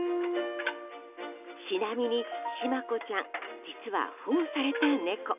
ちなみに、シマ子ちゃん実は保護された猫。